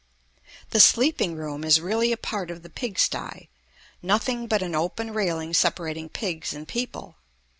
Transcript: The sleeping room is really a part of the pig sty, nothing but an open railing separating pigs and people.